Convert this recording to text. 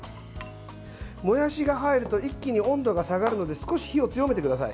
もやしが入ると一気に温度が下がるので少し火を強めてください。